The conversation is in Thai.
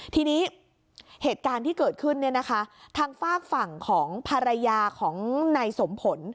ทีนี้เหตุการณ์ที่เกิดขึ้นเนี่ยนะคะทางฝากฝั่งของภรรยาของนายสมผล